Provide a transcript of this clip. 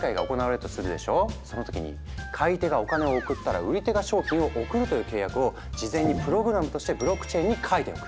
その時に買い手がお金を送ったら売り手が商品を送るという契約を事前にプログラムとしてブロックチェーンに書いておく。